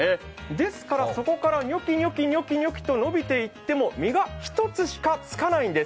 ですからそこからニョキニョキと伸びていっても実が１つしかつかないんです。